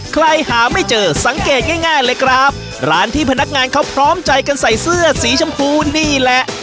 ใครหาไม่เจอสังเกตง่ายง่ายเลยครับร้านที่พนักงานเขาพร้อมใจกันใส่เสื้อสีชมพูนี่แหละ